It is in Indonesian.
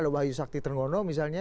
ada wahyu sakti tenggono misalnya